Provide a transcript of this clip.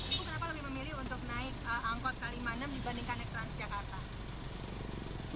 ibu kenapa lebih memilih untuk naik angkot k lima puluh enam dibandingkan naik transjakarta